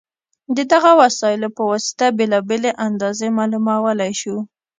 د دغو وسایلو په واسطه بېلابېلې اندازې معلومولی شو.